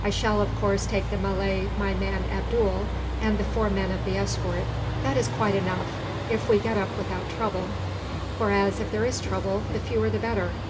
I shall, of course, take the Malay, my man Abdool, and the four men of the escort. That is quite enough, if we get up without trouble; whereas if there is trouble, the fewer the better."